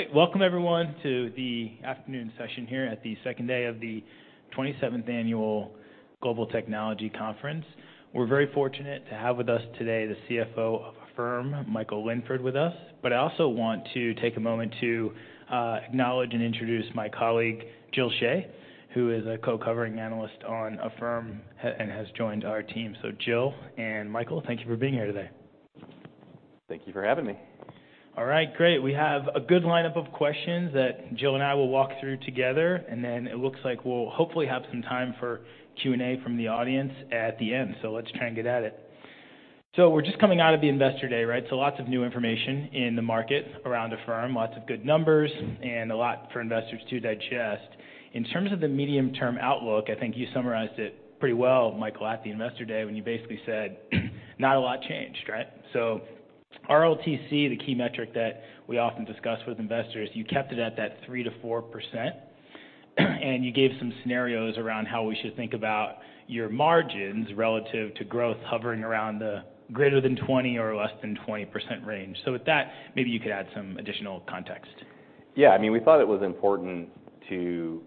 All right. Welcome everyone, to the afternoon session here at the second day of the 27th Annual Global Technology Conference. We're very fortunate to have with us today the CFO of Affirm, Michael Linford, with us. But I also want to take a moment to acknowledge and introduce my colleague, Jill Shea, who is a co-covering analyst on Affirm, and has joined our team. So Jill and Michael, thank you for being here today. Thank you for having me. All right, great. We have a good lineup of questions that Jill and I will walk through together, and then it looks like we'll hopefully have some time for Q&A from the audience at the end. So let's try and get at it. So we're just coming out of the Investor Day, right? So lots of new information in the market around Affirm, lots of good numbers and a lot for investors to digest. In terms of the medium-term outlook, I think you summarized it pretty well, Michael, at the Investor Day, when you basically said, "Not a lot changed," right? So RLTC, the key metric that we often discuss with investors, you kept it at that 3% to 4%, and you gave some scenarios around how we should think about your margins relative to growth hovering around the greater than 20% or less than 20% range. With that, maybe you could add some additional context. Yeah, I mean, we thought it was important to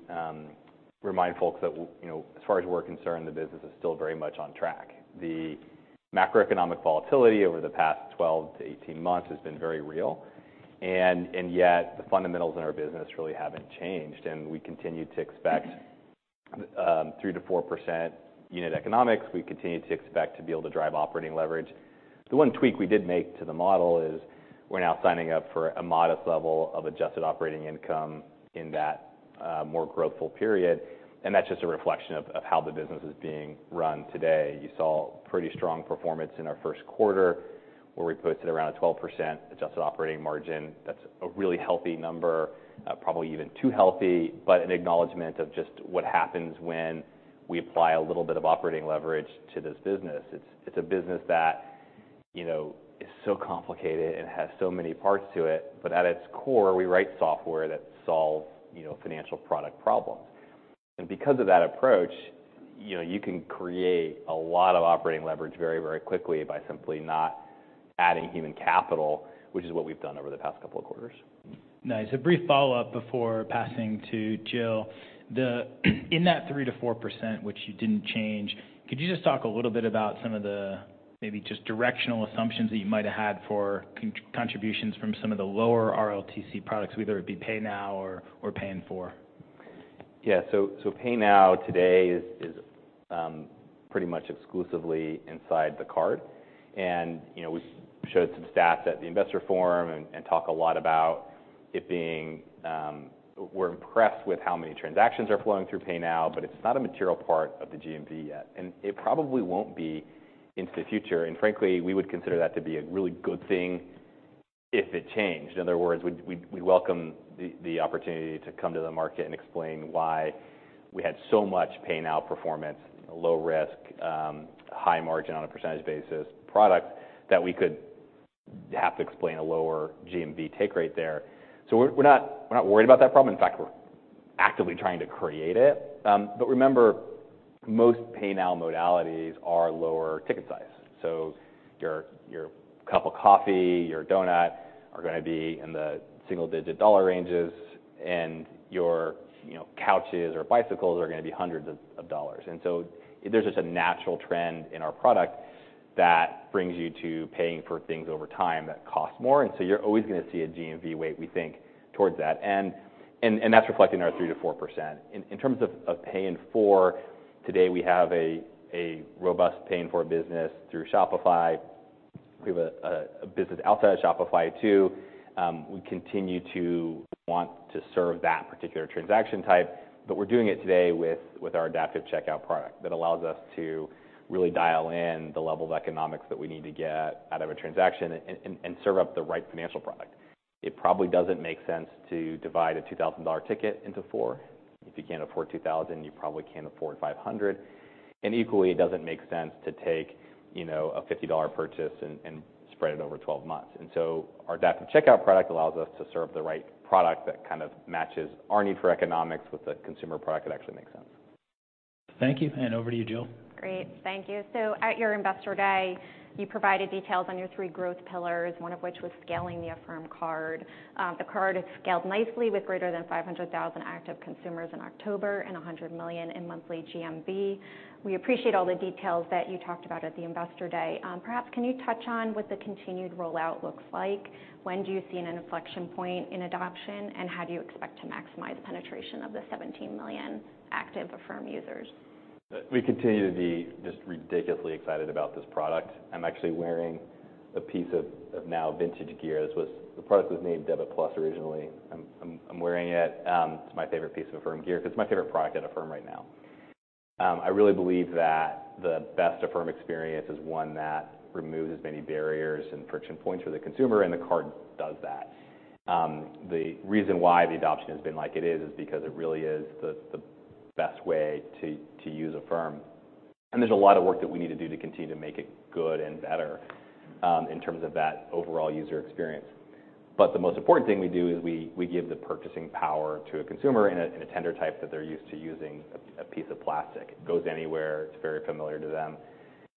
remind folks that, you know, as far as we're concerned, the business is still very much on track. The macroeconomic volatility over the past 12-18 months has been very real, and yet the fundamentals in our business really haven't changed, and we continue to expect 3% to 4% unit economics. We continue to expect to be able to drive operating leverage. The one tweak we did make to the model is, we're now signing up for a modest level of adjusted operating income in that more growthful period, and that's just a reflection of how the business is being run today. You saw pretty strong performance in our first quarter, where we posted around a 12% adjusted operating margin. That's a really healthy number, probably even too healthy, but an acknowledgement of just what happens when we apply a little bit of operating leverage to this business. It's, it's a business that, you know, is so complicated and has so many parts to it, but at its core, we write software that solves, you know, financial product problems. And because of that approach, you know, you can create a lot of operating leverage very, very quickly by simply not adding human capital, which is what we've done over the past couple of quarters. Nice. A brief follow-up before passing to Jill. In that 3% to 4%, which you didn't change, could you just talk a little bit about some of the maybe just directional assumptions that you might have had for contributions from some of the lower RLTC products, whether it be Pay Now or Pay in 4? Yeah. So Pay Now today is pretty much exclusively inside the card. And, you know, we showed some stats at the investor forum and talk a lot about it being. We're impressed with how many transactions are flowing through Pay Now, but it's not a material part of the GMV yet, and it probably won't be into the future. And frankly, we would consider that to be a really good thing if it changed. In other words, we'd welcome the opportunity to come to the market and explain why we had so much Pay Now performance, low risk, high margin on a percentage basis product, that we could have to explain a lower GMV take rate there. So we're not worried about that problem. In fact, we're actively trying to create it. But remember, most Pay Now modalities are lower ticket size. So your cup of coffee, your donut, are gonna be in the single-digit dollar ranges, and you know, couches or bicycles are gonna be hundreds of dollars. And so there's just a natural trend in our product that brings you to paying for things over time that cost more, and so you're always gonna see a GMV weight, we think, towards that. And that's reflected in our 3%-4%. In terms of Pay in Four, today we have a robust Pay in Four business through Shopify. We have a business outside of Shopify too. We continue to want to serve that particular transaction type, but we're doing it today with our Adaptive Checkout product that allows us to really dial in the level of economics that we need to get out of a transaction and serve up the right financial product. It probably doesn't make sense to divide a $2,000 ticket into 4. If you can't afford 2,000, you probably can't afford 500. And equally, it doesn't make sense to take, you know, a $50 purchase and spread it over 12 months. And so our Adaptive Checkout product allows us to serve the right product that kind of matches our need for economics with the consumer product that actually makes sense. Thank you, and over to you, Jill. Great. Thank you. So at your Investor Day, you provided details on your three growth pillars, one of which was scaling the Affirm Card. The card has scaled nicely with greater than 500,000 active consumers in October and $100 million in monthly GMV. We appreciate all the details that you talked about at the Investor Day. Perhaps, can you touch on what the continued rollout looks like? When do you see an inflection point in adoption, and how do you expect to maximize penetration of the 17 million active Affirm users? We continue to be just ridiculously excited about this product. I'm actually wearing a piece of now vintage gear. This was. The product was named Debit+ originally. I'm wearing it. It's my favorite piece of Affirm gear, because it's my favorite product at Affirm right now. I really believe that the best Affirm experience is one that removes as many barriers and friction points for the consumer, and the card does that. The reason why the adoption has been like it is, is because it really is the best way to use Affirm. And there's a lot of work that we need to do to continue to make it good and better, in terms of that overall user experience. But the most important thing we do is we give the purchasing power to a consumer in a tender type that they're used to using, a piece of plastic. It goes anywhere. It's very familiar to them...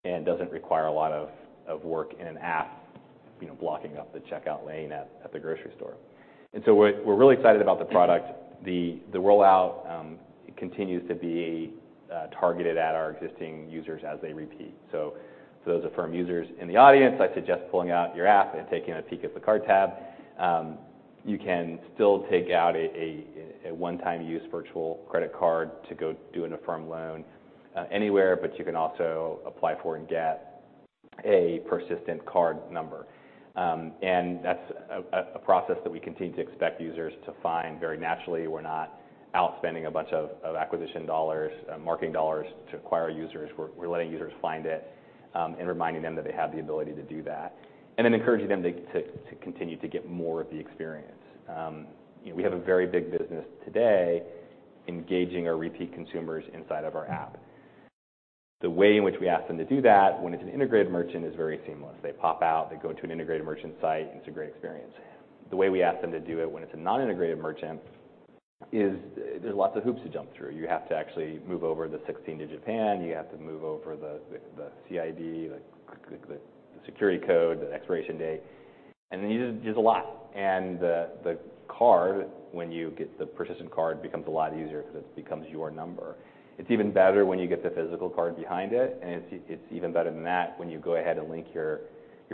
and doesn't require a lot of work in an app, you know, blocking up the checkout lane at the grocery store. And so we're really excited about the product. The rollout continues to be targeted at our existing users as they repeat. So for those Affirm users in the audience, I suggest pulling out your app and taking a peek at the card tab. You can still take out a one-time use virtual credit card to go do an Affirm loan anywhere, but you can also apply for and get a persistent card number. And that's a process that we continue to expect users to find very naturally. We're not out spending a bunch of acquisition dollars, marketing dollars to acquire users. We're letting users find it, and reminding them that they have the ability to do that, and then encouraging them to continue to get more of the experience. You know, we have a very big business today, engaging our repeat consumers inside of our app. The way in which we ask them to do that, when it's an integrated merchant, is very seamless. They pop out, they go to an integrated merchant site, and it's a great experience. The way we ask them to do it when it's a non-integrated merchant is there's lots of hoops to jump through. You have to actually move over the 16-digit PAN, you have to move over the CID, the security code, the expiration date, and then there's a lot. And the card, when you get the persistent card, becomes a lot easier because it becomes your number. It's even better when you get the physical card behind it, and it's even better than that when you go ahead and link your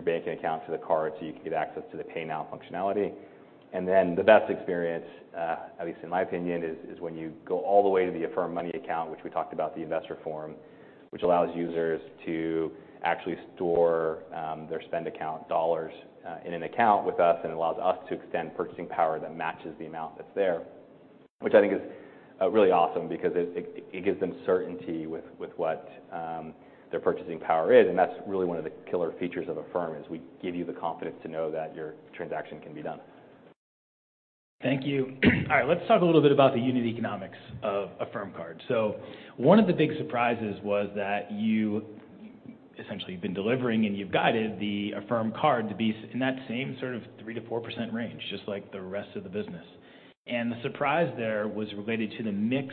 banking account to the card so you can get access to the Pay Now functionality. And then the best experience, at least in my opinion, is, is when you go all the way to the Affirm Money Account, which we talked about, the investor form, which allows users to actually store their spend account dollars in an account with us, and allows us to extend purchasing power that matches the amount that's there. Which I think is really awesome because it, it, it gives them certainty with what their purchasing power is, and that's really one of the killer features of Affirm, is we give you the confidence to know that your transaction can be done. Thank you. All right, let's talk a little bit about the unit economics of Affirm Card. So one of the big surprises was that you essentially have been delivering, and you've guided the Affirm Card to be in that same sort of 3%-4% range, just like the rest of the business. And the surprise there was related to the mix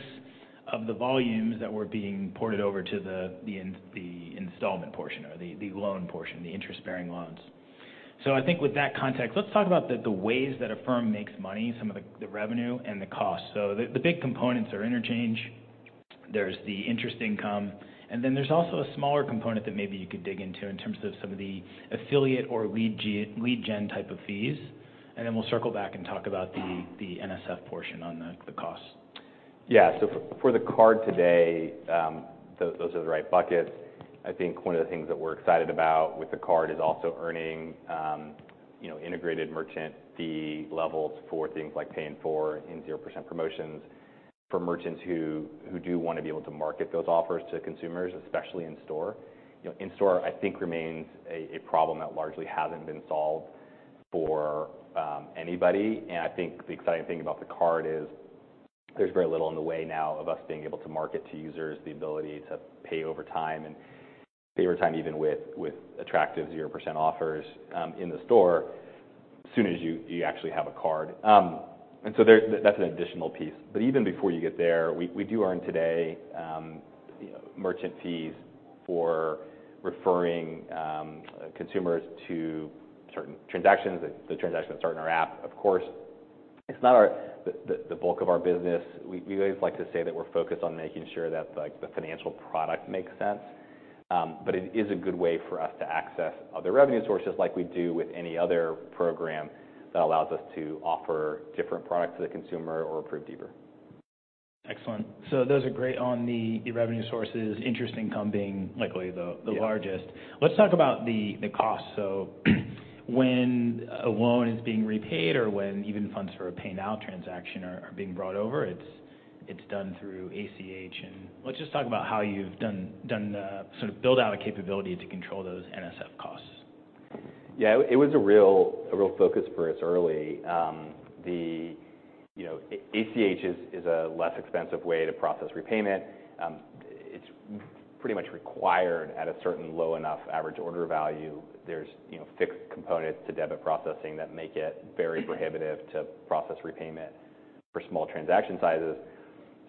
of the volumes that were being ported over to the installment portion or the loan portion, the interest-bearing loans. So I think with that context, let's talk about the ways that Affirm makes money, some of the revenue and the costs. So the big components are interchange, there's the interest income, and then there's also a smaller component that maybe you could dig into in terms of some of the affiliate or lead gen type of fees. And then we'll circle back and talk about the NSF portion on the costs. Yeah. So for the card today, those are the right buckets. I think one of the things that we're excited about with the card is also earning, you know, integrated merchant, the levels for things like Pay in 4 in 0% promotions for merchants who do want to be able to market those offers to consumers, especially in-store. You know, in-store, I think, remains a problem that largely hasn't been solved for anybody. And I think the exciting thing about the card is, there's very little in the way now of us being able to market to users, the ability to pay over time and pay over time, even with attractive 0% offers, in the store, as soon as you actually have a card. And so there, that's an additional piece. But even before you get there, we do earn today merchant fees for referring consumers to certain transactions, the transactions that start in our app, of course. It's not the bulk of our business. We always like to say that we're focused on making sure that, like, the financial product makes sense. But it is a good way for us to access other revenue sources, like we do with any other program, that allows us to offer different products to the consumer or approve deeper. Excellent. So those are great on the revenue sources, interest income being likely the- Yeah... the largest. Let's talk about the cost. So when a loan is being repaid or when even funds for a pay now transaction are being brought over, it's done through ACH. And let's just talk about how you've done the sort of build out a capability to control those NSF costs. Yeah, it was a real, a real focus for us early. The, you know, ACH is a less expensive way to process repayment. It's pretty much required at a certain low enough average order value. There's, you know, fixed components to debit processing that make it very prohibitive to process repayment for small transaction sizes.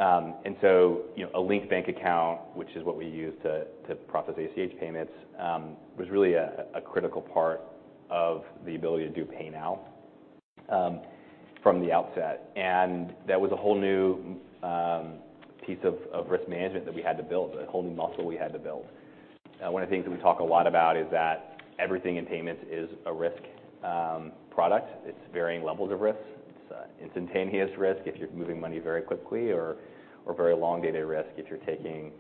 And so, you know, a linked bank account, which is what we use to process ACH payments, was really a critical part of the ability to do pay now from the outset. And that was a whole new piece of risk management that we had to build, a whole new muscle we had to build. One of the things that we talk a lot about is that everything in payments is a risk product. It's varying levels of risk. It's instantaneous risk if you're moving money very quickly or very elongated risk if you're taking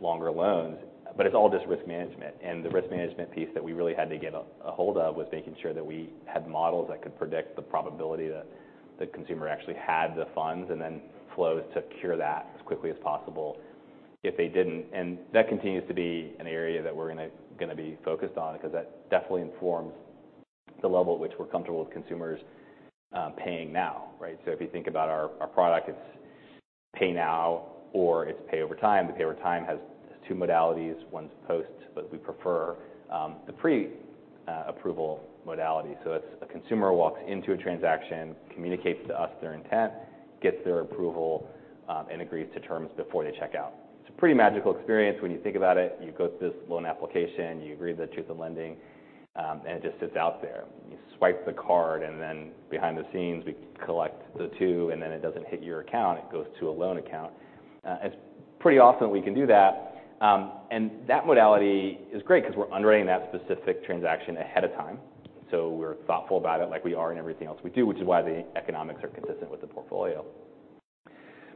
longer loans, but it's all just risk management. The risk management piece that we really had to get a hold of was making sure that we had models that could predict the probability that the consumer actually had the funds, and then flows to cure that as quickly as possible if they didn't. That continues to be an area that we're gonna be focused on because that definitely informs the level at which we're comfortable with consumers paying now, right? So if you think about our product, it's pay now or it's pay over time. The pay over time has two modalities, one's post, but we prefer the pre-approval modality. So it's a consumer walks into a transaction, communicates to us their intent, gets their approval, and agrees to terms before they check out. It's a pretty magical experience when you think about it. You go through this loan application, you agree to the terms of lending, and it just sits out there. You swipe the card, and then behind the scenes, we collect the two, and then it doesn't hit your account, it goes to a loan account. It's pretty awesome we can do that. And that modality is great 'cause we're underwriting that specific transaction ahead of time, so we're thoughtful about it, like we are in everything else we do, which is why the economics are consistent with the portfolio.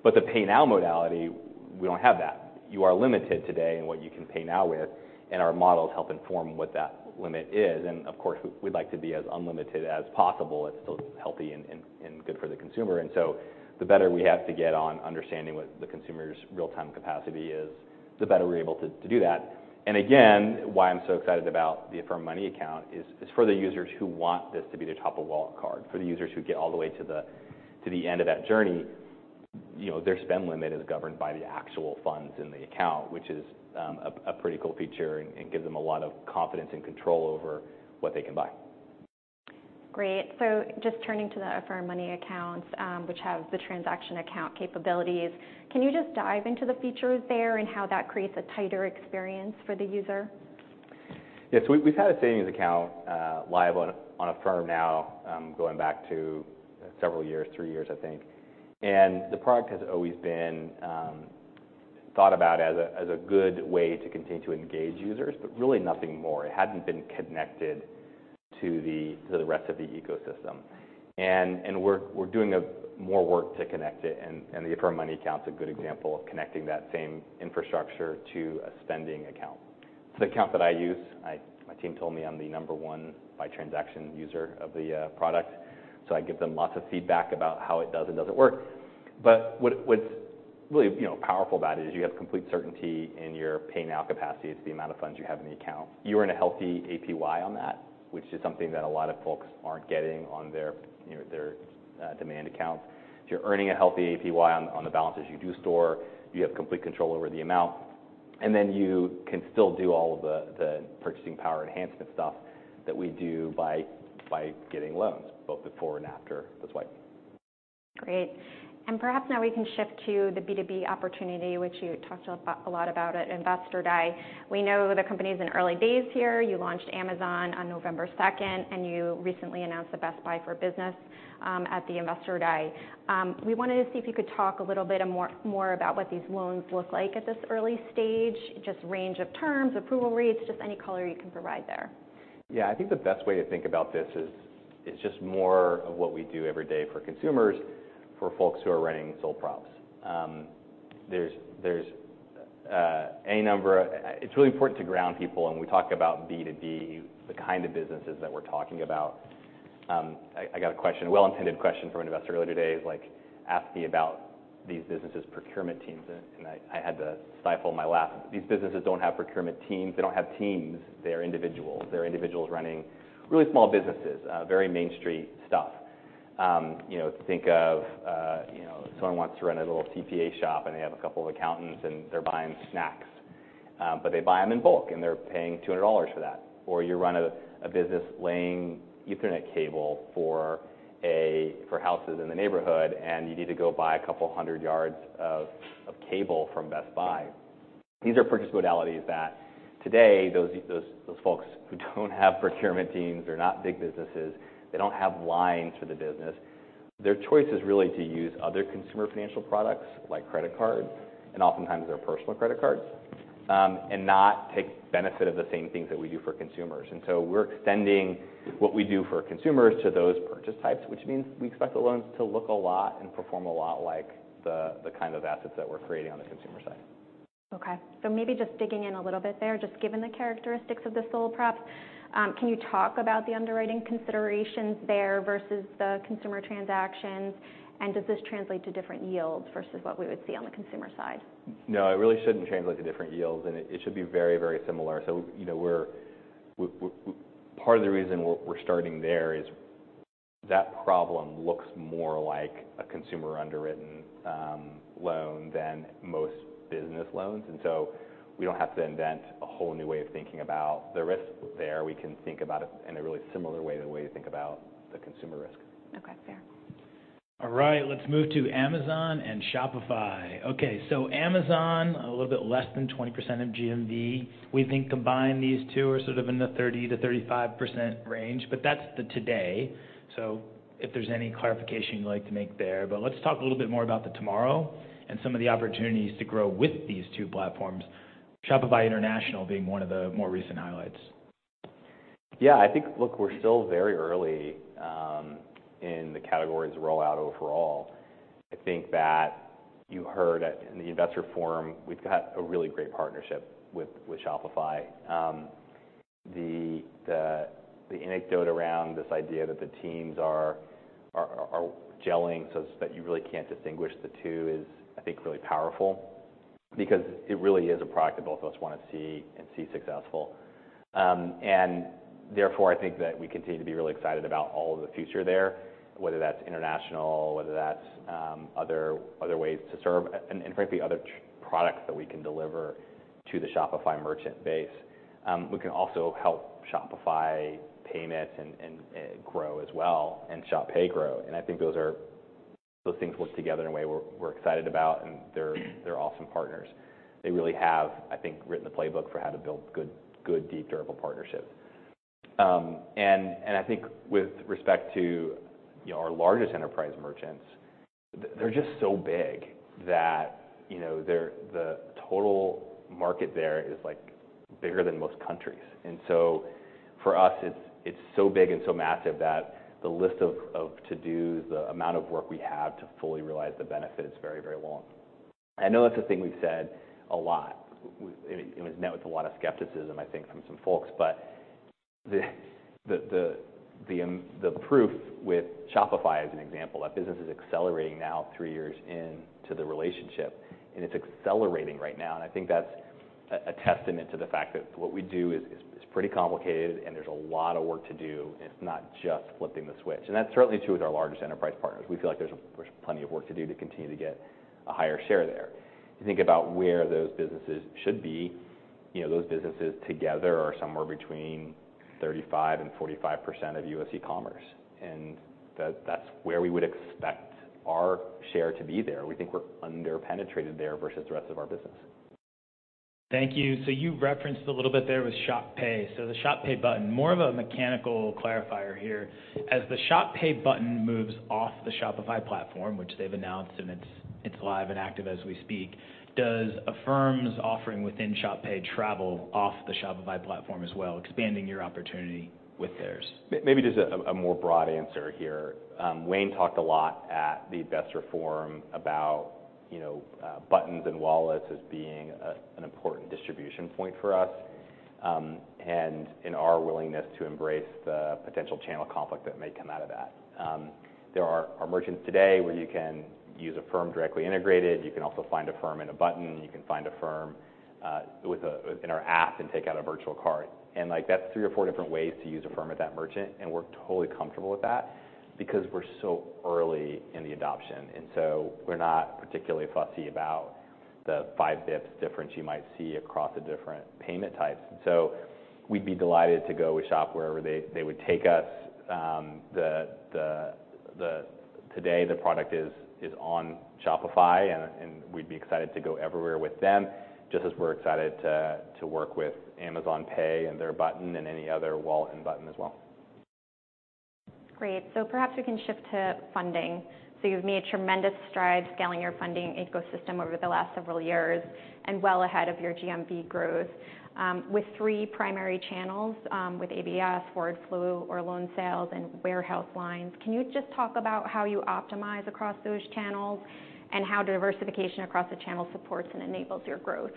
But the pay now modality, we don't have that. You are limited today in what you can pay now with, and our models help inform what that limit is. And of course, we'd like to be as unlimited as possible, it's still healthy and good for the consumer. And so, the better we have to get on understanding what the consumer's real-time capacity is, the better we're able to do that. And again, why I'm so excited about the Affirm Money account is for the users who want this to be their top of wallet card, for the users who get all the way to the end of that journey, you know, their spend limit is governed by the actual funds in the account, which is a pretty cool feature and gives them a lot of confidence and control over what they can buy. Great. So just turning to the Affirm Money accounts, which have the transaction account capabilities, can you just dive into the features there and how that creates a tighter experience for the user? Yes, we've had a savings account live on Affirm now, going back to several years, three years, I think. The product has always been thought about as a good way to continue to engage users, but really nothing more. It hadn't been connected to the rest of the ecosystem. We're doing more work to connect it, and the Affirm Money account's a good example of connecting that same infrastructure to a spending account. It's the account that I use. My team told me I'm the number one by transaction user of the product, so I give them lots of feedback about how it does and doesn't work. But what's really, you know, powerful about it is you have complete certainty in your Pay Now capacity. It's the amount of funds you have in the account. You earn a healthy APY on that, which is something that a lot of folks aren't getting on their, you know, their demand accounts. If you're earning a healthy APY on the balances you do store, you have complete control over the amount, and then you can still do all of the purchasing power enhancement stuff that we do by getting loans, both before and after the swipe. Great. And perhaps now we can shift to the B2B opportunity, which you talked about, a lot about at Investor Day. We know the company's in early days here. You launched Amazon on November 2nd, and you recently announced the Best Buy for Business at the Investor Day. We wanted to see if you could talk a little bit more about what these loans look like at this early stage, just range of terms, approval rates, just any color you can provide there. Yeah, I think the best way to think about this is, it's just more of what we do every day for consumers, for folks who are running sole props. It's really important to ground people, when we talk about B2B, the kind of businesses that we're talking about. I got a question, a well-intended question from an investor earlier today, who like, asked me about these businesses' procurement teams, and I had to stifle my laugh. These businesses don't have procurement teams. They don't have teams, they're individuals. They're individuals running really small businesses, very Main Street stuff. You know, think of, you know, someone wants to run a little CPA shop, and they have a couple of accountants, and they're buying snacks, but they buy them in bulk, and they're paying $200 for that. Or you run a business laying Ethernet cable for houses in the neighborhood, and you need to go buy a couple hundred yards of cable from Best Buy. These are purchase modalities that today, those folks who don't have procurement teams, they're not big businesses, they don't have lines for the business, their choice is really to use other consumer financial products, like credit card, and oftentimes their personal credit cards, and not take benefit of the same things that we do for consumers. And so we're extending what we do for consumers to those purchase types, which means we expect the loans to look a lot and perform a lot like the kind of assets that we're creating on the consumer side. Okay. So maybe just digging in a little bit there, just given the characteristics of the sole props, can you talk about the underwriting considerations there versus the consumer transactions? And does this translate to different yields versus what we would see on the consumer side? No, it really shouldn't translate to different yields, and it should be very, very similar. So, you know, part of the reason we're starting there is that problem looks more like a consumer-underwritten loan than most business loans. And so we don't have to invent a whole new way of thinking about the risk there. We can think about it in a really similar way to the way you think about the consumer risk. Okay, fair. All right, let's move to Amazon and Shopify. Okay, so Amazon, a little bit less than 20% of GMV. We think combining these two are sort of in the 30%-35% range, but that's the today. So if there's any clarification you'd like to make there, but let's talk a little bit more about the tomorrow and some of the opportunities to grow with these two platforms, Shopify International being one of the more recent highlights. Yeah, I think, look, we're still very early in the categories rollout overall. I think that you heard at, in the investor forum, we've got a really great partnership with Shopify. The anecdote around this idea that the teams are gelling so that you really can't distinguish the two is, I think, really powerful because it really is a product that both of us want to see and see successful. And therefore, I think that we continue to be really excited about all of the future there, whether that's international, whether that's other ways to serve, and frankly, other products that we can deliver to the Shopify merchant base. We can also help Shopify Payments and grow as well, and Shop Pay grow. And I think those things work together in a way we're excited about, and they're awesome partners. They really have, I think, written the playbook for how to build good, good, deep, durable partnerships. And I think with respect to, you know, our largest enterprise merchants, they're just so big that, you know, the total market there is, like, bigger than most countries. And so for us, it's so big and so massive that the list of to-dos, the amount of work we have to fully realize the benefit is very, very long. I know that's a thing we've said a lot. It was met with a lot of skepticism, I think, from some folks. But the proof with Shopify as an example, that business is accelerating now three years into the relationship, and it's accelerating right now. And I think that's a testament to the fact that what we do is pretty complicated, and there's a lot of work to do, and it's not just flipping the switch. And that's certainly true with our largest enterprise partners. We feel like there's plenty of work to do to continue to get a higher share there. You think about where those businesses should be, you know, those businesses together are somewhere between 35% and 45% of U.S. e-commerce, and that's where we would expect our share to be there. We think we're under-penetrated there versus the rest of our business. Thank you. So you referenced a little bit there with Shop Pay. So the Shop Pay button, more of a mechanical clarifier here. As the Shop Pay button moves off the Shopify platform, which they've announced, and it's live and active as we speak, does Affirm's offering within Shop Pay travel off the Shopify platform as well, expanding your opportunity with theirs? Maybe just a more broad answer here. Wayne talked a lot at the investor forum about, you know, buttons and wallets as being an important distribution point for us, and in our willingness to embrace the potential channel conflict that may come out of that. There are our merchants today, where you can use Affirm directly integrated, you can also find Affirm in a button, you can find Affirm within our app and take out a virtual card. And, like, that's three or four different ways to use Affirm at that merchant, and we're totally comfortable with that because we're so early in the adoption. And so we're not particularly fussy about the five bits difference you might see across the different payment types. So we'd be delighted to go with Shop wherever they would take us. Today, the product is on Shopify, and we'd be excited to go everywhere with them, just as we're excited to work with Amazon Pay and their button and any other wallet and button as well. Great. So perhaps we can shift to funding. So you've made a tremendous stride scaling your funding ecosystem over the last several years, and well ahead of your GMV growth. With three primary channels, with ABS, forward flow or loan sales, and warehouse lines, can you just talk about how you optimize across those channels and how diversification across the channel supports and enables your growth?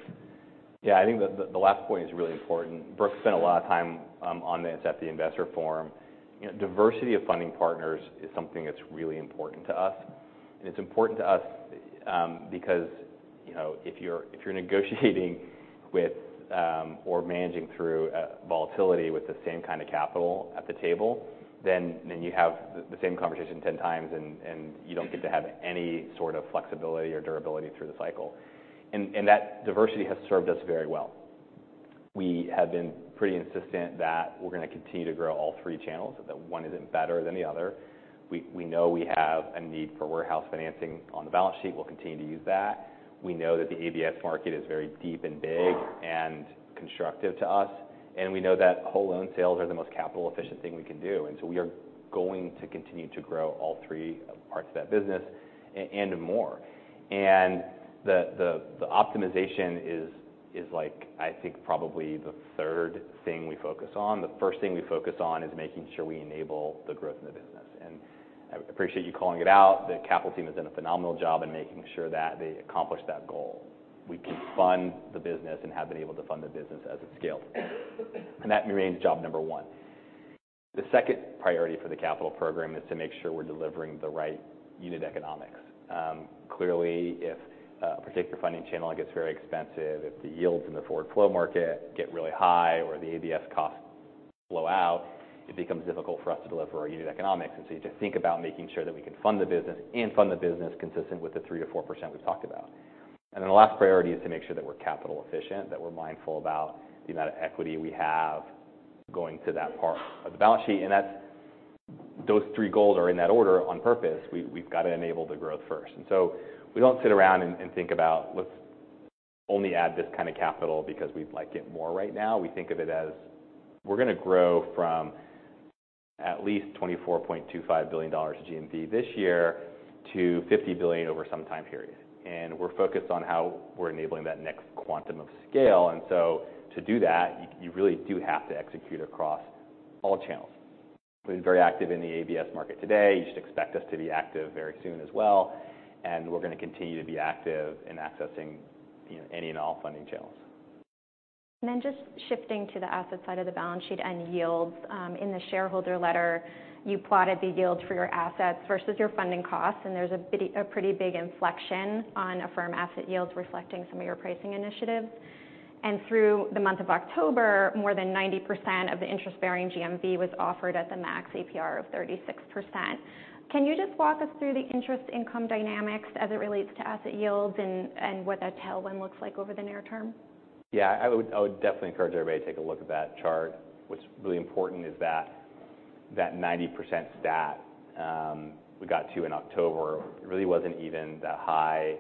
Yeah, I think the last point is really important. Brooke spent a lot of time on this at the investor forum. You know, diversity of funding partners is something that's really important to us. And it's important to us because, you know, if you're negotiating with or managing through volatility with the same kind of capital at the table, then you have the same conversation ten times, and you don't get to have any sort of flexibility or durability through the cycle. And that diversity has served us very well. We have been pretty insistent that we're going to continue to grow all three channels, that one isn't better than the other. We know we have a need for warehouse financing on the balance sheet. We'll continue to use that. We know that the ABS market is very deep and big and constructive to us, and we know that whole loan sales are the most capital-efficient thing we can do. And so we are going to continue to grow all three parts of that business and more. And the optimization is like, I think, probably the third thing we focus on. The first thing we focus on is making sure we enable the growth in the business. And I appreciate you calling it out. The capital team has done a phenomenal job in making sure that they accomplish that goal. We can fund the business and have been able to fund the business as it's scaled, and that remains job number one. The second priority for the capital program is to make sure we're delivering the right unit economics. Clearly, if a particular funding channel gets very expensive, if the yields in the forward flow market get really high or the ABS costs blow out, it becomes difficult for us to deliver our unit economics. And so you just think about making sure that we can fund the business and fund the business consistent with the 3%-4% we've talked about. And then the last priority is to make sure that we're capital efficient, that we're mindful about the amount of equity we have going to that part of the balance sheet. And that's, those three goals are in that order on purpose. We've got to enable the growth first. And so we don't sit around and think about, "Let's only add this kind of capital because we'd like it more right now." We think of it as, we're going to grow from at least $24.25 billion GMV this year to $50 billion over some time period, and we're focused on how we're enabling that next quantum of scale. And so to do that, you really do have to execute across all channels. We're very active in the ABS market today. You should expect us to be active very soon as well, and we're going to continue to be active in accessing, you know, any and all funding channels. And then just shifting to the asset side of the balance sheet and yields. In the shareholder letter, you plotted the yields for your assets versus your funding costs, and there's a pretty big inflection on Affirm asset yields, reflecting some of your pricing initiatives. And through the month of October, more than 90% of the interest-bearing GMV was offered at the max APR of 36%. Can you just walk us through the interest income dynamics as it relates to asset yields and what that tailwind looks like over the near term? Yeah, I would definitely encourage everybody to take a look at that chart. What's really important is that 90% stat we got to in October, it really wasn't even that high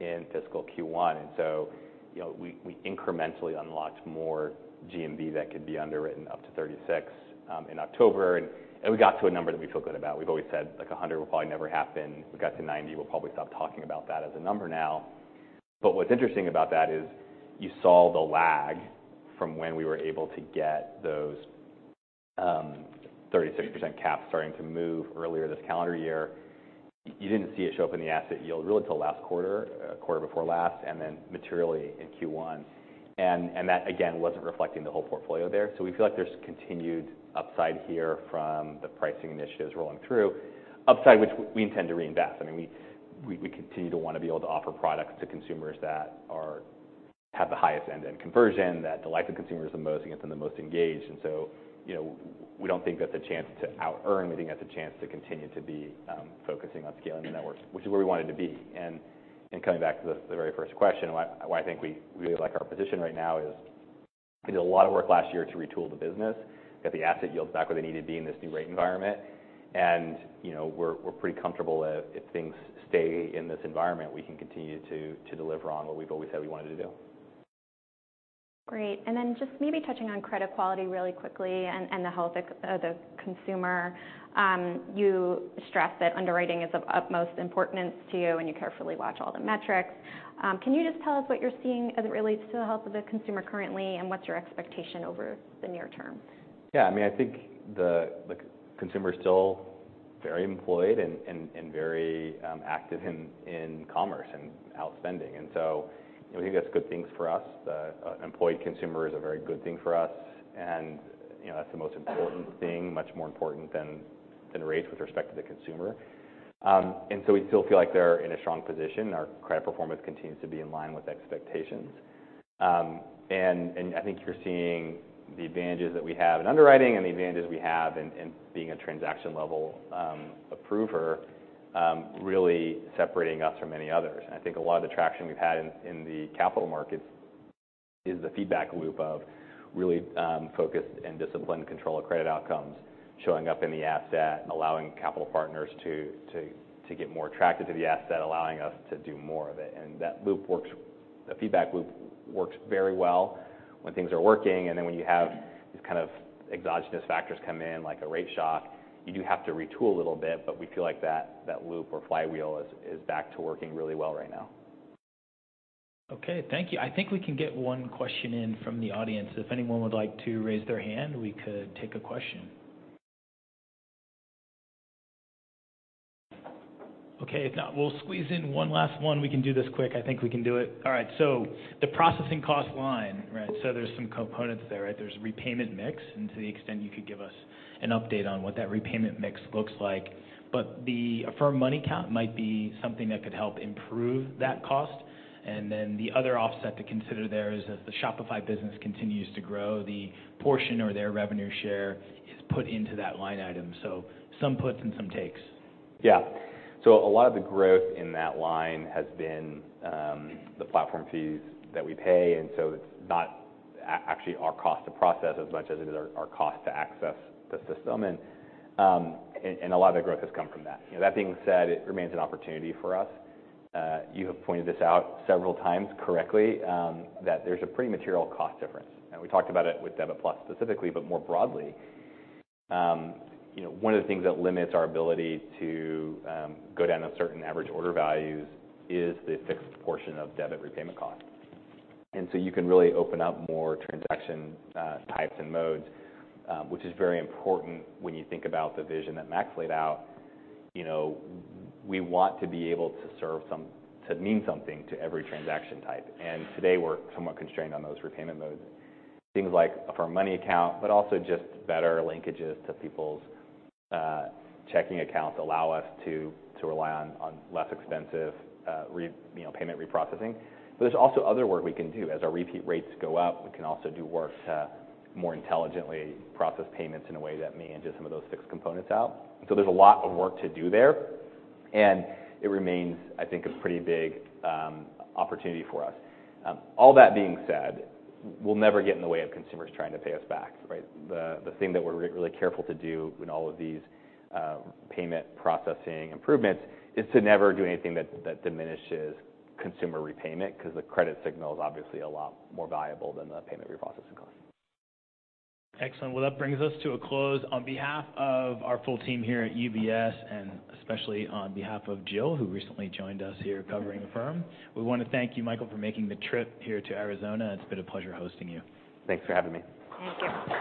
in fiscal Q1. And so, you know, we incrementally unlocked more GMV that could be underwritten up to 36 in October, and we got to a number that we feel good about. We've always said, like, 100 will probably never happen. We got to 90, we'll probably stop talking about that as a number now. But what's interesting about that is you saw the lag from when we were able to get those 36% caps starting to move earlier this calendar year. You didn't see it show up in the asset yield really till last quarter, quarter before last, and then materially in Q1. And that, again, wasn't reflecting the whole portfolio there. So we feel like there's continued upside here from the pricing initiatives rolling through. Upside, which we intend to reinvest. I mean, we continue to want to be able to offer products to consumers that are—have the highest end in conversion, that delight the consumers the most, and get them the most engaged. And so, you know, we don't think that's a chance to outearn. We think that's a chance to continue to be focusing on scaling the networks, which is where we wanted to be. Coming back to the very first question, why I think we really like our position right now is, we did a lot of work last year to retool the business, get the asset yields back where they needed to be in this new rate environment, and, you know, we're pretty comfortable if things stay in this environment, we can continue to deliver on what we've always said we wanted to do. Great. And then just maybe touching on credit quality really quickly and the health of the consumer. You stress that underwriting is of utmost importance to you, and you carefully watch all the metrics. Can you just tell us what you're seeing as it relates to the health of the consumer currently, and what's your expectation over the near term? Yeah, I mean, I think the consumer is still very employed and very active in commerce and out spending. So we think that's good things for us. The employed consumer is a very good thing for us, and, you know, that's the most important thing, much more important than rates with respect to the consumer. So we still feel like they're in a strong position. Our credit performance continues to be in line with expectations. And I think you're seeing the advantages that we have in underwriting and the advantages we have in being a transaction-level approver, really separating us from many others. I think a lot of the traction we've had in the capital markets is the feedback loop of really focused and disciplined control of credit outcomes, showing up in the asset, allowing capital partners to get more attracted to the asset, allowing us to do more of it, and that loop works. That feedback loop works very well when things are working, and then when you have these kind of exogenous factors come in, like a rate shock, you do have to retool a little bit, but we feel like that loop or flywheel is back to working really well right now. Okay, thank you. I think we can get one question in from the audience. If anyone would like to raise their hand, we could take a question. Okay, if not, we'll squeeze in one last one. We can do this quick. I think we can do it. All right, so the processing cost line, right? So there's some components there, right? There's repayment mix, and to the extent you could give us an update on what that repayment mix looks like. But the Affirm Money account might be something that could help improve that cost. And then the other offset to consider there is, as the Shopify business continues to grow, the portion or their revenue share is put into that line item. So some puts and some takes. Yeah. So a lot of the growth in that line has been the platform fees that we pay, and so it's not actually our cost to process as much as it is our cost to access the system. And a lot of the growth has come from that. That being said, it remains an opportunity for us. You have pointed this out several times, correctly, that there's a pretty material cost difference. And we talked about it with Debit+ specifically, but more broadly, you know, one of the things that limits our ability to go down to certain average order values is the fixed portion of debit repayment cost. And so you can really open up more transaction types and modes, which is very important when you think about the vision that Max laid out. You know, we want to be able to serve some to mean something to every transaction type, and today we're somewhat constrained on those repayment modes. Things like Affirm Money account, but also just better linkages to people's checking accounts allow us to rely on less expensive, you know, payment reprocessing. But there's also other work we can do. As our repeat rates go up, we can also do work to more intelligently process payments in a way that manages some of those fixed components out. So there's a lot of work to do there, and it remains, I think, a pretty big opportunity for us. All that being said, we'll never get in the way of consumers trying to pay us back, right? The thing that we're really careful to do in all of these payment processing improvements is to never do anything that diminishes consumer repayment, because the credit signal is obviously a lot more valuable than the payment reprocessing cost. Excellent. Well, that brings us to a close. On behalf of our full team here at UBS, and especially on behalf of Jill, who recently joined us here covering Affirm, we want to thank you, Michael, for making the trip here to Arizona. It's been a pleasure hosting you. Thanks for having me. Thank you.